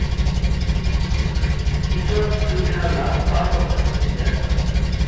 It was to be her last performance in Denmark.